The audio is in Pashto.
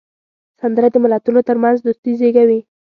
سندره د ملتونو ترمنځ دوستي زیږوي